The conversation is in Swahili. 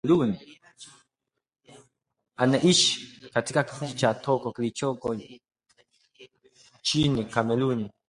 Anaishi katika kijiji cha Toko kilichoko nchini Kameruni